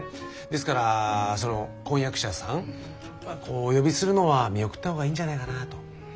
ですからその婚約者さんをお呼びするのは見送ったほうがいいんじゃないかなと。